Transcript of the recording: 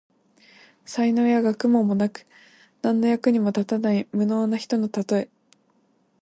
才能や学問もなく、何の役にも立たない無能な人のたとえ。